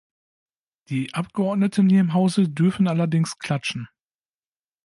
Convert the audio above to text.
Die Abgeordneten hier im Hause dürfen allerdings klatschen.